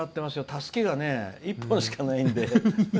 たすきが一本しかないんで。